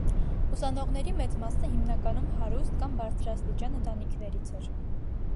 Ուսանողների մեծ մասը հիմնականում հարուստ կամ բարձրաստիճան ընտանիքներից էր։